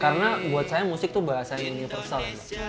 karena buat saya musik tuh bahasa universal ya mbak